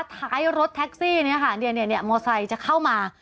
ท้ายรถแท็กซี่เนี้ยค่ะเนี้ยเนี้ยเนี้ยมอสไซค์จะเข้ามา